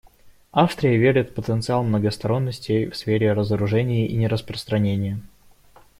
Австрия верит в потенциал многосторонности в сфере разоружения и нераспространения.